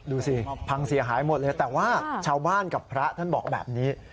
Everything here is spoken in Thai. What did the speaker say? ดูสิพังเสียหายหมดเลยแต่ว่าชาวบ้านกับพระท่านบอกแบบนี้